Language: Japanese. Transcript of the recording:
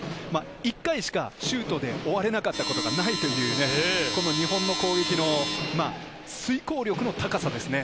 １回しかシュートで終われなかったことがないというこの日本の攻撃の遂行力の高さですね。